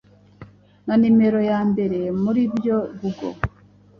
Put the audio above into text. na nimero ya mbere muri byo Google